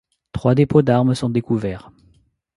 Trois dépôts d'armes sont découverts.